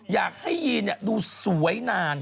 อยากให้ยีนดูสวยนาน